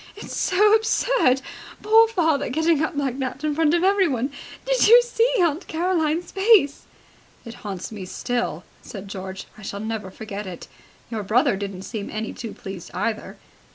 "It's so absurd! Poor father getting up like that in front of everyone! Did you see Aunt Caroline's face?" "It haunts me still," said George. "I shall never forget it. Your brother didn't seem any too pleased, either."